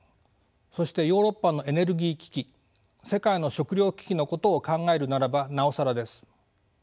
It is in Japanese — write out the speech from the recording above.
そしてヨーロッパのエネルギー危機世界の食糧危機のことを考えるならばなおさらです。